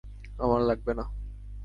আমার লাগবে না।